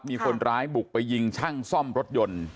มีคนร้ายบุกไปยิงช่างซ่อมรถยนต์